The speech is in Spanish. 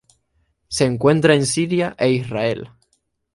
Se encuentra en Siria e Israel.